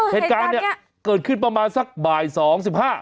เหตุการณ์เนี้ยเกิดขึ้นประมาณสักบ่ายสองสิบห้า